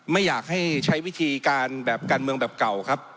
ไม่อยากให้ใช้วิธีการแบบการเมืองแบบเก่าครับ